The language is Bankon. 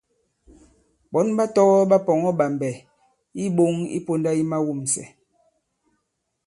Ɓɔ̌n ɓa tɔgɔ̄ ɓa pɔ̀ŋɔ̄ ɓàmbɛ̀ i iɓoŋ i pōnda yi mawûmsɛ̀.